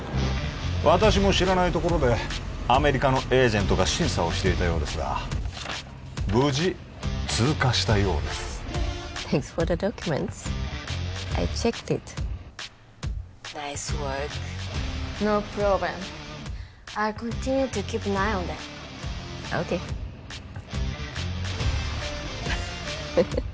私も知らないところでアメリカのエージェントが審査をしていたようですが無事通過したようですＯＫ．ハッフフッ